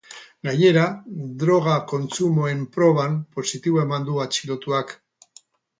Gainera, droga kontsumoen proban positibo eman du atxilotuak.